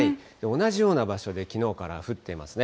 同じような場所できのうから降っていますね。